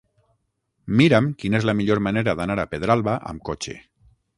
Mira'm quina és la millor manera d'anar a Pedralba amb cotxe.